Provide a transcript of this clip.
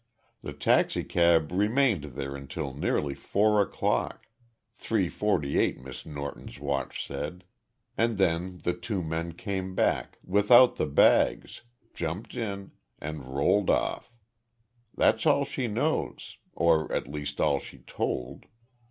The taxicab remained there until nearly four o'clock three forty eight, Miss Norton's watch said and then the two men came back, without the bags, jumped in, and rolled off. That's all she knows, or, at least, all she told.